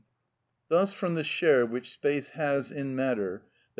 Thus from the share which space has in matter, _i.